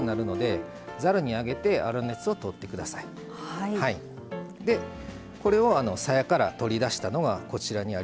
これをさやから取り出したのがこちらにありますので。